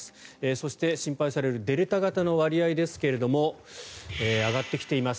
そして、心配されるデルタ型の割合ですけど上がってきています。